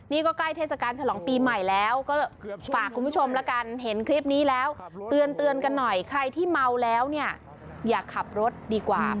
นี่ก็ใกล้เทศกาลฉลองปีใหม่แล้วก็ฝากคุณผู้ชมแล้วกันเห็นคลิปนี้แล้วเตือนกันหน่อยใครที่เมาแล้วเนี่ยอย่าขับรถดีกว่า